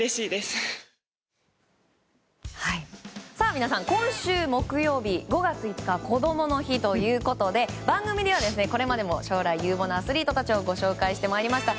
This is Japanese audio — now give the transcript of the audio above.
皆さん今週木曜日５月５日はこどもの日ということで番組では、これまでも将来有望なアスリートたちをご紹介してまいりました。